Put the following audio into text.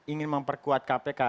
ingin memperkuat kpk